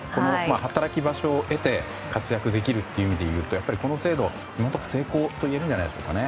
働き場所を得て活躍できるという意味で言うとこの制度、今のところ成功といえるんじゃないでしょうか。